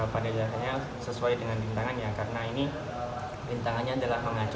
pada jadinya sesuai dengan lintasannya karena ini lintasannya adalah mengacau